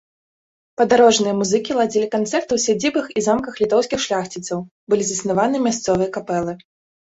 Падарожныя музыкі ладзілі канцэрты ў сядзібах і замках літоўскіх шляхціцаў, былі заснаваны мясцовыя капэлы.